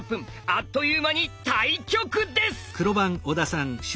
あっという間に対局です！